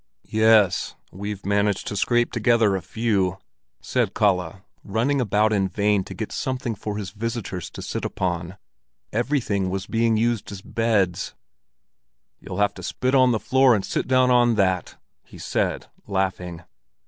"Ye es; we've managed to scrape together a few," said Kalle, running about in vain to get something for his visitors to sit upon; everything was being used as beds. "You'll have to spit on the floor and sit down on that," he said, laughing.